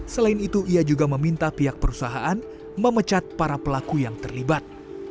selain itu ia juga meminta pihak perusahaan memecat para pelaku yang terlibat